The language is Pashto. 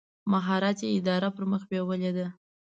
مهارت یې اداره پر مخ بېولې ده.